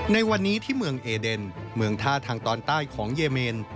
ในวันนี้ที่เมืองเอเดนเมืองท่าทางตอนใต้ของเยเมน